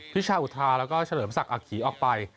พิชาอุทาแล้วก็เฉลิมศักดิ์ขี่ออกไป